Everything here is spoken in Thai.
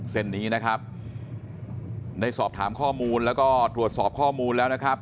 เส้นนี้นะครับได้สอบถามข้อมูลแล้วก็ตรวจสอบข้อมูลแล้วนะครับ